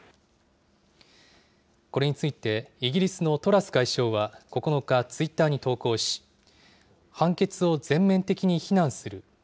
これについて、イギリスのトラス外相は９日、ツイッターに投稿し、判決を全面的に非難する。